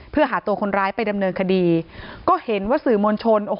เพื่อหาตัวคนร้ายไปดำเนินคดีก็เห็นว่าสื่อมวลชนโอ้โห